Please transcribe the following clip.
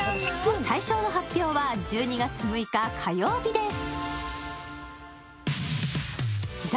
大賞の発表は１２月６日火曜日です。